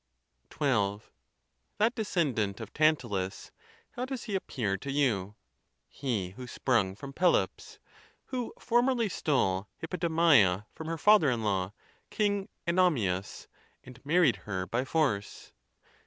XII. That descendant of Tantalus, how does he appear to you—he who sprung from Pelops, who formerly stole Hippodamia from her father in law, King GEnomaus, and married her by force?